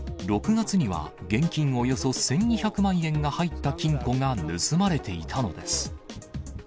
６月には、現金およそ１２００万円が入った金庫が盗まれていたのです。